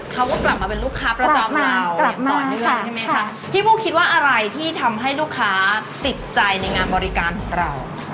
เขาก็กลับมาเป็นลูกค้าประจำเราแบบต่อเนื่องใช่ไหมคะพี่บูคิดว่าอะไรที่ทำให้ลูกค้าติดใจในงานบริการของเรา